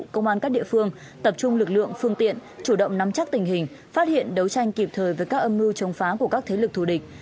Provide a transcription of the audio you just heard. công an các địa phương tập trung lực lượng phương tiện chủ động nắm chắc tình hình phát hiện đấu tranh kịp thời với các âm mưu chống phá của các thế lực thù địch